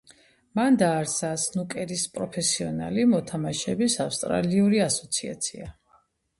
მან დააარსა სნუკერის პროფესიონალი მოთამაშეების ავსტრალიური ასოციაცია.